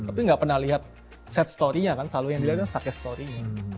tapi gak pernah lihat set story nya kan selalu yang dilihat kan set story nya